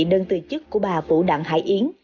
đơn từ chức của bà vũ đặng hải yến